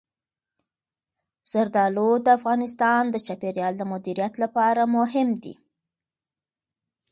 زردالو د افغانستان د چاپیریال د مدیریت لپاره مهم دي.